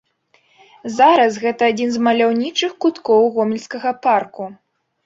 Зараз гэта адзін з маляўнічых куткоў гомельскага парку.